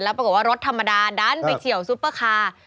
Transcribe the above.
ปรากฏว่ารถธรรมดาดันไปเฉียวซุปเปอร์คาร์